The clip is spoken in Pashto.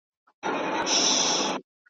موږ په روڼو سترګو لاندي تر بړستن یو `